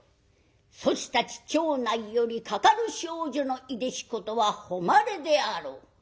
そちたち町内よりかかる少女のいでしことは誉れであろう。